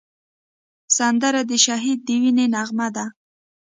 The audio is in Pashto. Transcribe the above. سندره د شهید د وینې نغمه ده